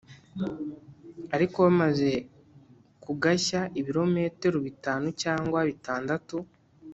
Ariko bamaze kugashya ibirometero bitanu cyangwa bitandatu